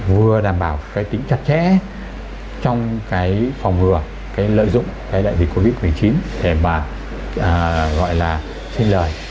vừa đảm bảo cái tính chặt chẽ trong cái phòng ngừa cái lợi dụng cái đại dịch covid một mươi chín để mà gọi là xin lời